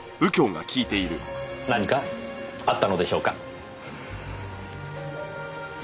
何かあったのでしょうか？